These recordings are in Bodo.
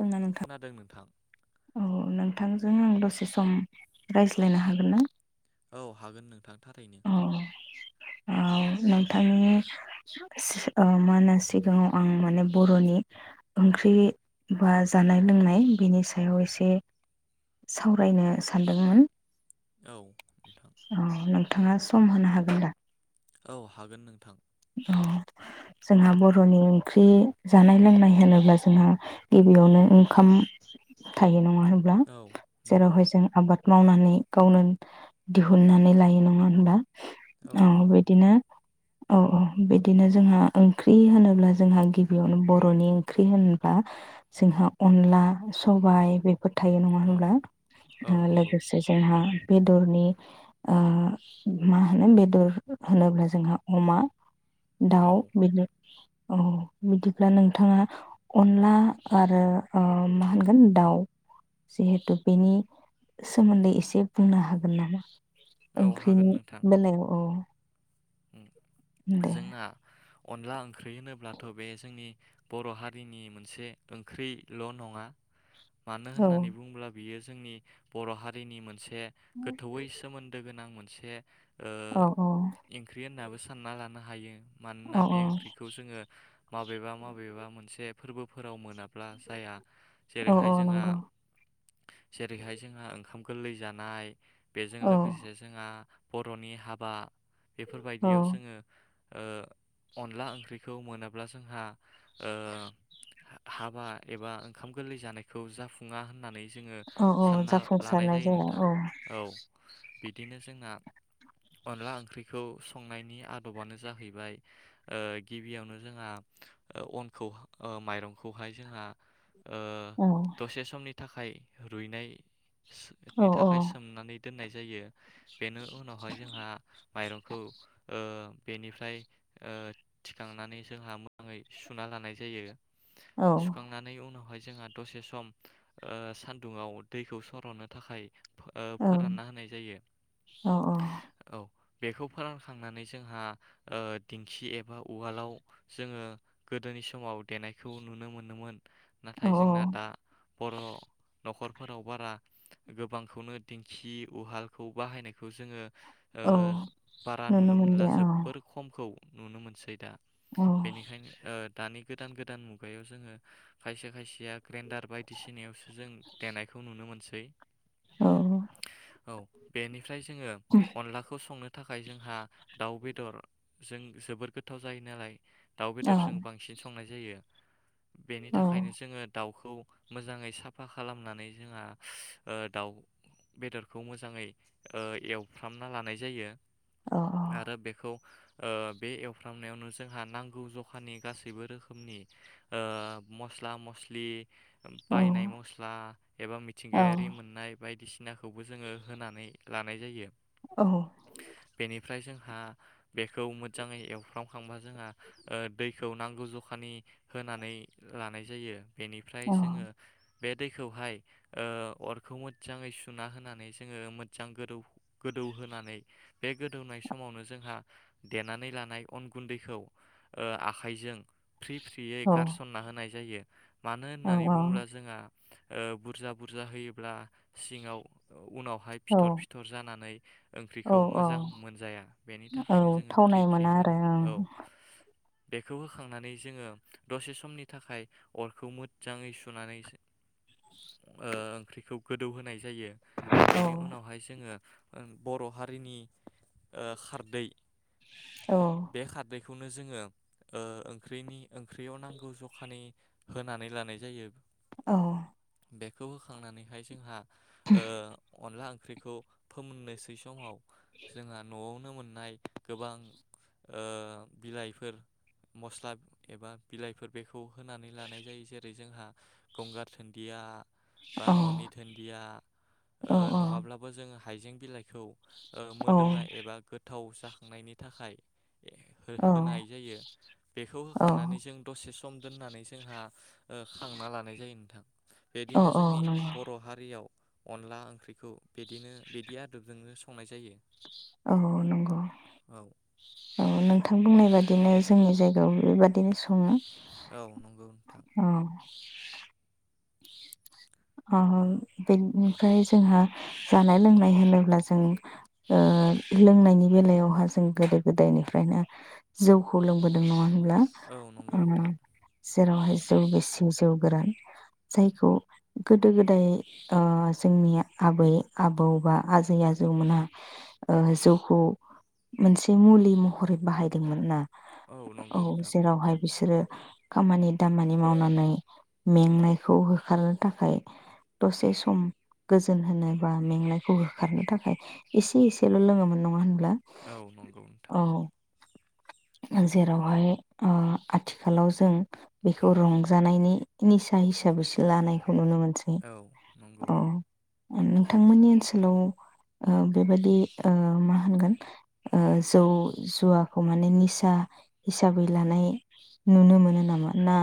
जोंना नोंथां खोनादों नोंथां। औ नोंथांजों आं दसे सम रायज्लायनो हागोन ना औ हागोन नोंथां थारैनो ओम औ नोंथांनि मा होनो सिगाङाव आं माने बर'नि ओंख्रि बा जानाय लोंनाय बेनि सायाव एसे सावरायनो सानदोंमोन। औ नोंथां औ नोंथाङा सम होनो हागोन दा। औ हागोन नोंथां। औ जोंहा बर'नि ओंख्रि जानाय लोंनाय होनोब्ला जोंहा गिबियावनो ओंखाम थायो नङा मा होनब्ला औ नंगौ जेरावहाय जों आबाद मावनानै गावनो दिहुननानै लायो नङा होनबा। औ नंगौ नोंथां बिदिनो अ बिदिनो जोंहा ओंख्रि होनोब्ला जोंहा गिबियावनो बुरनि ओंख्रि होनब्ला जोंहा अनला। सबायाइ बेफोर थायो नङा औ होनब्ला औ नंगौ लोगोसे जोंहा बेदरनि ओ मा होनो बेदर होनोब्ला जोंहा अमा औ दाव बिदिनो औ बिदिब्ला नोंथाङा अनला आरो मा होनगोन दाव जिहेथु बेनि सोमोन्दै एसे बुंनो हागोन नामा औ हागोन ओंख्रिनि नोंथां बेलायाव औ उम दे जोंना अनला ओंख्रि होनोब्लाथ बे जोंनि बर हारिनि मोनसे ओंख्रिल नङा मानो औ होननानै बुङोब्ला बियो जोंनि बर हारिनि मोनसे बे गोथौयै सोमोन्दो गोनां मोन से औ औ ओंख्रि होनाबो सानना लानो हायो। मानोना औ बे ओंख्रिखौ जोङो माबेबा माबेबा मोनसे फोर्बोफोराव मोनाब ब्ला जाया औ जेरैहाय औ जोंहा नंगौ जेरैहाय जोंहा ओंखाम गोरलै जानाय बेजों औ लोगोसे जोंहा बरनि हाबा औ बेफोरबायदियाव जोङो ओ अनला ओंख्रिखौ मोनाब ब्ला जोंहा ओ हाबा एबा ओंखाम गोरलै जानायखौ जाफुङा होननानै जोङो औ औ सानना लानाय जाफुंसारनाय जायो जाया औ नोंथां। औ। बिदिनो जोंना अनला ओं ओंख्रिखौ संनायनि आदबानो जाहैबाय ओ गिबियावनो जोंहा ओ अनखौ ओ माइरंखौहाय जोंहा ओ औ दसे समनि थाखाय रुइनाय औ नि थाखाय सोमनानै दोननाय जायो। बेनो उनावहाय जोंहा माइरंखौ ओ बेनिफ्राय ओ थिखांनानै जोंहा मोजाङै सुना लानाय जायो। औ सुखांनानै उनावहाय जोंहा दसे सम ओ सान्दुङाव दैखौ सरनो थाखाय ओ फोरानना होनाय जायो औ औ। बेखौ फोरानखांनानै जोंहा ओ दिंखि एबा उवालाव जोङो गोदोनि समाव देनायखौ नुनो मोनोमोन। औ नाथाय जोंना दा बर' नखर फोराव बारा गोबांखौनो दिंखि उहालखौ बाहायनायखौ जोङो ओ औ बारा नुनो मोनला मोनलिया जोबोर औ खम खौ नुनो मोनसै दा औ बेनिखायनो ओ दानि गोदान गोदान मुगायाव जोङो खायसे खायसे या ग्रेडार बायदिसिनायावसो जों देनायखौ नुनो मोनसै। [unintelligible] औ औ बेनि फ्राय जोङो अनलाखौ संनो थाखाय जोंहा दाउ बेदर जों जोबोद गोथाव जायो नालाय दाउ औ बेदरजों बांसिन संनाय जायो। बेनि औ थाखायनो जोङो दाउख खौ मोजाङै साफा खालामनानै जोंहा ओ दाउ बेदरखौ मोजाङै ओ एवफ्रामना लानाय जायो। औ आरो बेखौ ओ बे एवफ्रामनायावनो जोंहा नांगौ जखानि गासैबो रोखोमनि ओ मस्ला मस्लि औ बायनाय मस्ला एबा औ मिथिंगायारि मोननाय बायदिसि नाखौबो जोङो होनानै लानाय जायो। औ बेनिफ्राय जोंहा बेखौ मोजाङै एवफ्रांखांबा जोंहा ओ दैखौ नांगौ जखानि होनानै लानाय जायो। औ बेनिफ्राय जोङो बे दैखौहाय ओ अरखौ मोजाङै सुना होनानै जोङो मोजां गोदौ गोदौ होनानै बे गोदौनाय समावनो जोंहा देनानै लानाय अन गुन्दैखौ ओ आखाइजों फ्रि फ्रियै गारसनना होनाय जायो। मानो होननानै बुङोब्ला जोंहा ओ बुरजा बुरजा होयोब्ला सिङाव उनावहाय फिथर फिथर जानानै फ्रिखौ औ मोजां मोनजाया बेनि थाखायनो औ जोङो फ्रि थावनाय फ्रि मोना आरो होनो औ बेखौ होखांनानै जोङो दसे समनि थाखाय अरखौ मोजाङै सुनानै ओ ओख्रिखौ गोदौ होनाय ज जायो बेनि ओं उनावहाय जोङो ओं बर'हा हारिनि ओ खारदै औ बे खारदै खौनो जोङो ओ ओंख्रैनि ओंख्रियाव नांगौ जखानि होनानै लानाय जायो औ बेखौ होखांनानैहाय जोंहा ओ अनला ओं ख्रिखौ फोमोननोसै समाव जोंहा न'आवनो मोन नाय गोबां बिलाइफोर मस्ला एबा बिलाइफोर बेफोर। खौ होनानै लानाय जायो जेरै जोंहा गंगार धुन्दिया बा औ न'नि धोन्दिया औ ओ नङाब्लाबो जों हाइजें बिलाइखौ ओ औ मोदोमनाय एबा गोथाव जाखांनायनि थाखाय हो-होनाय जायो बेखौ होखांनानै जों दसे स सम दोननानै जोंहा ओ खांना लानाय जायो नोंथां औ बिदिनो जोंनि नंगौ बरहारियाव अनला ओंख्रिखौ बिदिनो बिदि आदबजोंनो स संनाय जायो। औ नंगौ औ औ नोंथां बुंनाय बादिनो जोंनि जायगायाव बेबायदिनो सङो। औ नंगौ नोंथां औ अ बेनिफ्राय जोंहा जानाय लोंनाय होनोब्ला जों लोंनायनि बेलायावहा जों गोदो गोदायनिफ्रायनो जौखौ लोंबोदों नङा होन ब्ला औ नंगौ ओ नोंथां जेरावहाय जौ गिसि जौ गोरान जायखौ गोदो गोदाय ओ जोंनि आबै आबौ बा आजै आजौमोनहा ओ जौखौ मोनसे मुलि महरै बाहायदोंमोनना औ नंगौ नोंथां जेरावहाय बिसोरो खामानि दामानि मावनानै मेंनायखौ होखारनो थाखाय दसे सम गोजोन होनो बा मेंनायखौ होखारनो थाखाय एसे एसेल लोङोमोन नङा होन औ नंगौ नोंथां [unintelligible] औ जेरावहाय ओ आथिखालाव जों। बेखौ रंजानायनि नि साइस [inaudible] लानायखौ नुनो मोनसै औ नंगौ औ नोंथांमोननि ओनसोलाव ओ बेबायदि ओ मा होनगोन ओ जौ जुवा खौ माने निसा हिसाबै लानाय नुनो मोनो नामा ना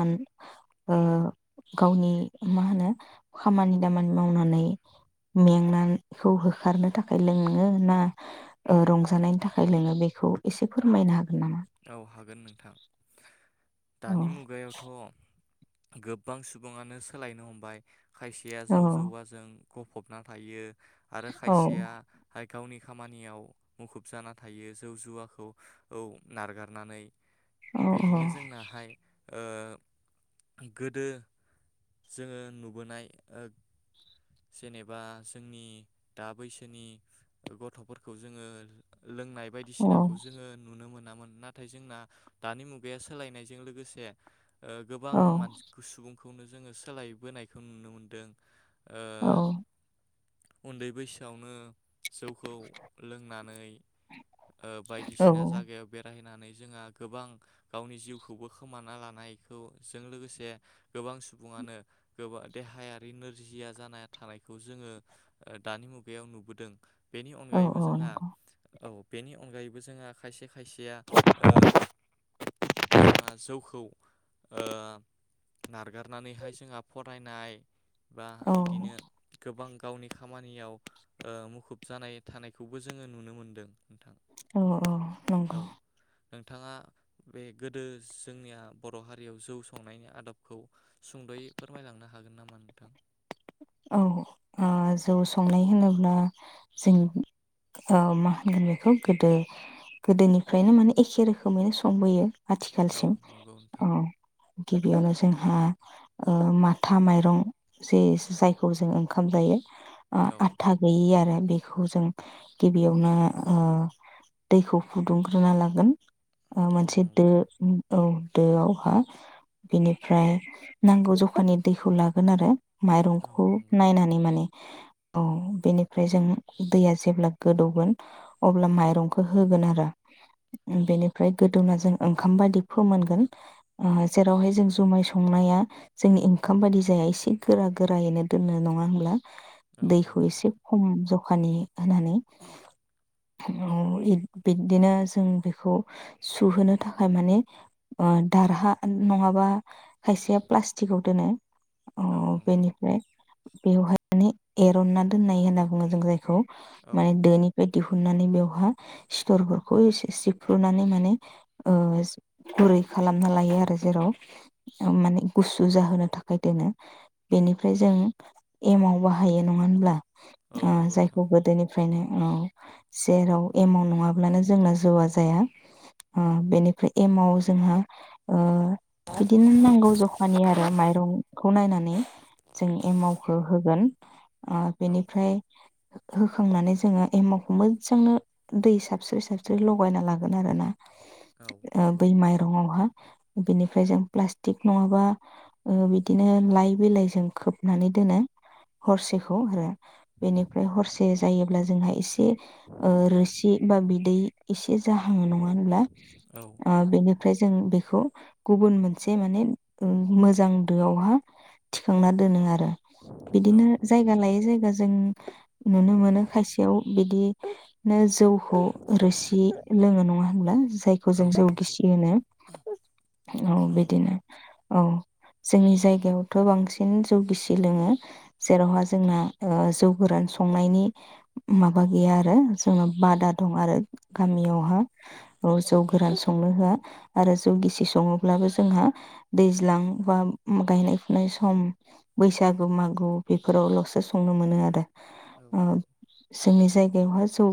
गावनि मा होनो खामानि दामानि मावनानै मेंनायखौ होखारनो थाखाय लोङो ना रंजानायनि थाखाय लोङो बेखौ एसे फोरमायनो हागोन नामा? औ हागोन नोंथां औ दानि मुगायावथ गोबां सुबुङानो सोलायनो हमबाय खायसेया औ जौ जौवाजों गफबना थायो। आरो औ खायसेया गावनि खामानियाव मुखुब जाना थायो जौ जुवाखौ औ नारगारनानै औ बिदिनो जोंनाहाय ओ गोदो जोङो नुबोनाय ओ जेनेबा जोंनि दा बैसोनि गथ'फोरखौ जोङो लोंनाय औ बायदिसिनाखौ जोंङो नुनो मोनो मोनामोन नाथाय जोंना दानि मुगाया सोलायनायजों लोगोसे ओ गोबां औ मान [unintelligible] सुबुं खौनो जोङो सोलायबोनायखौ नुनो मोन्दों औ उन्दै बैसोआवनो जौखौ लोंनानै ओ औ बायदिसिना जायगायाव बायनानै जोंहा गोबां गावनि जिउखौबो खोमाना लानायखौ जों लोगोसे गोबां सुबुङानो गोब देहायारि नोरजिया जाना थानायखौ जोंङो दानि मुगायाव नुबोदों बेनि औ अनगायैबो जोंहा नंगौ औ बेनि अनगायैबो जोंहा खायसे गैया ओ जोंहा जौखौ ओ नारगारनानैहाय जोंहा फरायनाय बा औ इदिनो गोबां गावनि खामानियाव ओ मुखुब जानाय थानायखौबो जोङो नुनो मोनदों नोंथां अ अ औ नंगौ। नोंथाङा बे गोदो जोंनिया बर हारियाव जौ संनायनि आदबखौ सुंदयै फोरमायलांनो हागोन नामा नोंथां औ ओ जौ संनाय होनोब्ला जों ओ मा होनगोन बेखौ गोदो गोदोनिफ्रायनो माने एखे रोखोमैनो संबोयो। औ आथिखालसिम नंगौ औ। नोंथां गिबियावनो जोंहा ओ माथा माइरं जे जुजाय खौ जों ओंखाम जायो। आ औ आथा गैयि आरो बेखौ जों गिबियावनो ओ दैखौ फुदुंग्रोना लागोन। ओ औ मोनसे दो नंगौ औ दोआवहा बिनिफ्राय नांगौ जखानि दैखौ लागोन आरो माइरंखौ औ खौ नंगौ नायनानै माने औ बेनिफ्राय जों दै जेब्ला गोदौगोन अब्ला माइरंखौ होगोन आरो। बेनिफ्राय गोदौना जों ओंखाम बादि फोमोनगोन आ जेरावहाय जों जुमाय संनाया जोंनि ओंखाम बायदि जायासे गोरा गोरा फ्रायैनो दोननो नङा होनोमब्ला? औ दैखौ नंगौ एसे नोंथां खम जखानि होनानै [unintelligible] बिदिनो जों बेखौ सुहोनो थाखाय माने ओ दारहा नङाबा खायसेया प्लास्टिकआव दोनो। अ औ नंगौ बेनिफ्राय बेवहाय [unintelligible] एरनना दोननाय होनना बुङो जों जायखौ। औ माइ धोनिफा दिहुननानै बेवहा सिथरफोरखौ एसे सिफ्रुनानै माने ओ गुरै खालामना लायो आरो जेराव ओम माने गुसु जाहोनो थाखाय दोनो, बेनिफा फ्राय जों एमाव बाहायो नङा होनब्ला? औ आ नंगौ नोंथां जायखौ गोदोनिफ्रायनो औ जेराव एमाव नङाब्लानो जोंना जौआ जाया ओ बेनिफ्राय एमाव जोंहा ओ बिदिनो नांगौ जखानि आरो माइरं खौ नायनानै जों एमावखो होगोन। ओ औ बेनिफ्राय हो-होखांनानै जोङो एमावखौ मोजांनो दै सास्रो सास्रो लगायना लागोन आरो ना औ ओ नंगौ बै मायरं आवहा बिनिफ्राय जों प्लास्टिक नङाबा ओ बिदिनो लाइ बिलाइ जों खोबनानै दोनो हरसेखौ आरो बेनिफ्राय हरसे जायोब्ला जोंहा एसे ओ रोसि बा बिदै एसे जाहाङो नङा होनब्ला? औ ओ नंगौ बेनिफ्राय जों बेखौ गुबुन मोनसे माने ओम मोजां दोआवहा थिखांना दोनो आरो औ बिदिनो जायगा लायो जायगा जों नुनो मोनो खायसेयाव बिदि नो जौखौ रोसि लोङो नङा होनब्ला? जायखौ औ जों जौ नंगौ गिसि होनो। औ नंगौ बिदिनो नोंथां औ जोंनि जायगायावथ बांसि न जौ गिसि लोङो जेरावहा जोंना ओ जौ गोरान संनायनि माबा गैया आरो जोंना बादा दं आरो औ गामिआव हा ओ जौ गोरान संनो होआ आरो जौ गिसि सङोब्लाबो जोंहा दैज्लां बा गायनाय फुनाय सम बैसागु मागु बेफोरावलसो संनो मोनो आरो। औ ओ नंगौ जोंनि जायगायावहा जौ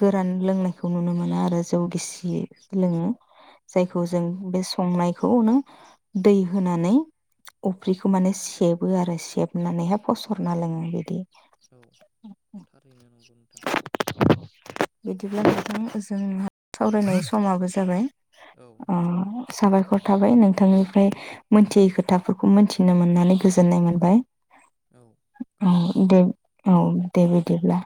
गोरान लोंनायखौ नुनो मोना आरो जौ गिसि लोङो। जायखौ औ जों नंगौ बे संनायखौ नो दै होनानै अफ्रि खौ माने सेबो आरो सेबनानैहाय फसरना लोङो बिदि औ थारैनो नंगौ नोंथां। बिदिब्ला नोंथां जों सावरायनाय समाबो जाबाय। औ नोंथां अ' साबायखर थाबाय नों थांनिफ्राय मोनथियै खोथाफोरखौ मोनथि नो मोननानै गोजोननाय मोनबाय। औ औ गोजोन्थों दे नोंथां औ दे बिदिब्ला।